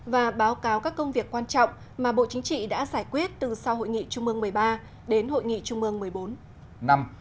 và báo cáo các công việc quan trọng mà bộ chính trị đã giải quyết từ sau hội nghị trung mương một mươi ba đến hội nghị trung mương một mươi bốn